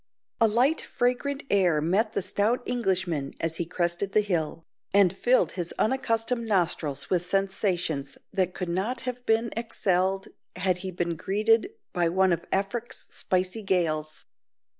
A light fragrant air met the stout Englishman as he crested the hill, and filled his unaccustomed nostrils with sensations that could not have been excelled had he been greeted by one of "Afric's spicy gales."